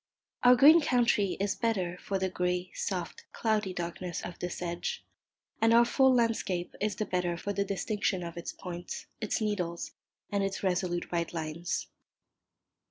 Our green country is the better for the grey, soft, cloudy darkness of the sedge, and our full landscape is the better for the distinction of its points, its needles, and its resolute right lines.